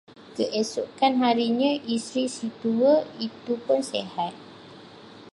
Keesokan harinya isteri si tua itupun sihat.